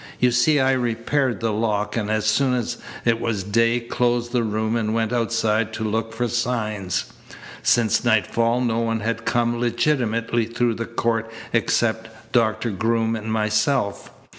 You see I repaired the lock, and, as soon as it was day, closed the room and went outside to look for signs. Since nightfall no one had come legitimately through the court except Doctor Groom and myself.